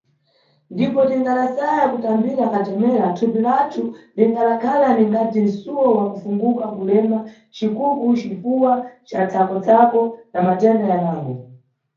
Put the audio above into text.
Ndipo, tikasaya kutambira katemera, thupi lathu lingadakhala ningati msuwo wa kufunguka ku ulema, cikuku, cifuwa ca tsako-tsako na matenda yanango.